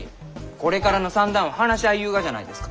これからの算段を話し合いゆうがじゃないですか。